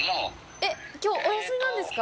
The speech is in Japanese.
えっ、きょう、お休みなんですか！？